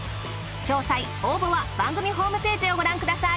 詳細応募は番組ホームページをご覧ください。